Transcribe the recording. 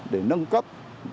để nâng cấp